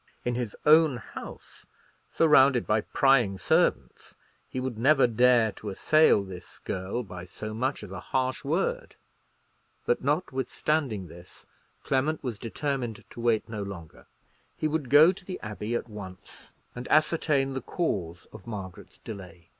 In his own house, surrounded by prying servants, he would never dare to assail this girl by so much as a harsh word. But, notwithstanding this, Clement was determined to wait no longer. He would go to the Abbey at once, and ascertain the cause of Margaret's delay.